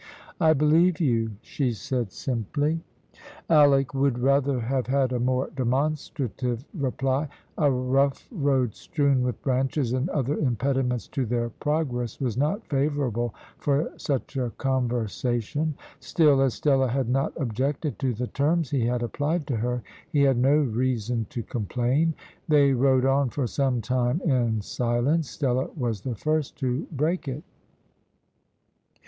"I believe you," she said simply. Alick would rather have had a more demonstrative reply. A rough road strewn with branches, and other impediments to their progress, was not favourable for such a conversation. Still, as Stella had not objected to the terms he had applied to her, he had no reason to complain. They rode on for some time in silence. Stella was the first to break it.